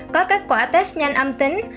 có kết quả test nhanh âm tính